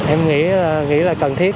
em nghĩ là cần thiết